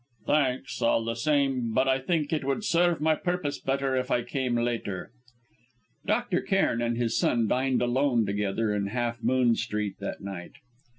"Thanks all the same, but I think it would serve my purpose better if I came later." Dr. Cairn and his son dined alone together in Half Moon Street that night.